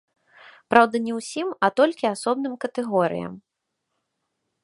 Праўда, не ўсім, а толькі асобным катэгорыям.